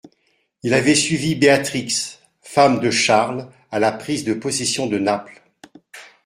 Il avait suivi Béatrix, femme de Charles, à la prise de possession de Naples.